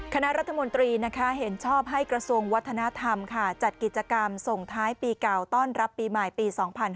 คณะรัฐมนตรีเห็นชอบให้กระทรวงวัฒนธรรมจัดกิจกรรมส่งท้ายปีเก่าต้อนรับปีใหม่ปี๒๕๕๙